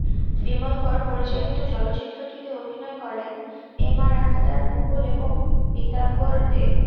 বিমল কর পরিচালিত চলচ্চিত্রটিতে অভিনয় করেন এম আর আখতার মুকু ল এবং পীতাম্বর দে।